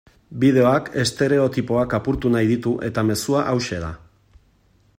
Bideoak estereotipoak apurtu nahi ditu eta mezua hauxe da.